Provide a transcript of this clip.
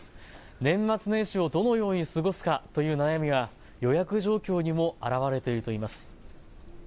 年末年始をどのように過ごすかという悩みは予約状況にも表れているといいます。